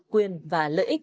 quyền và lợi ích